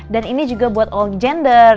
dan ini juga buat all gender